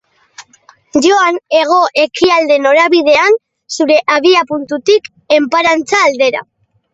Joan hego-ekialde norabidean zure abiapuntutik enparantza aldera.